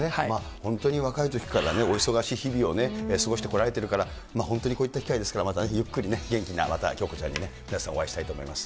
本当に若いときからお忙しい日々を過ごしてこられているから、本当にこういった機会ですから、またゆっくりね、また元気な恭子ちゃんに皆さん、お会いしたいと思います。